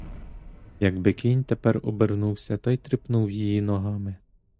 Якби кінь тепер обернувся та й тріпнув її ногами?